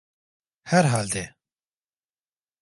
Herhalde.